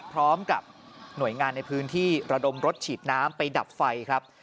พร้อมกับหน่วยงานในพื้นที่ระดมรถฉีดน้ำไปดับไฟครับ